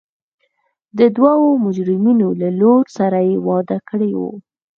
د دوو مجرمینو له لور سره یې واده کړی و.